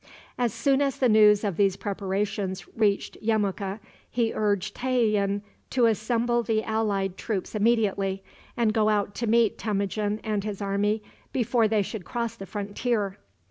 As soon as the news of these preparations reached Yemuka, he urged Tayian to assemble the allied troops immediately, and go out to meet Temujin and his army before they should cross the frontier.